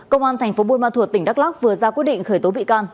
công an tp buôn ma thuột tỉnh đắk lóc vừa ra quyết định khởi tố bị can